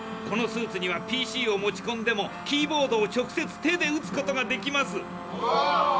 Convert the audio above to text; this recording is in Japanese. このスーツにはＰＣを持ちこんでもキーボードを直接手で打つことができます。